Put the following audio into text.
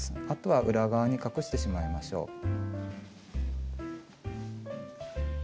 あとは裏側に隠してしまいましょう。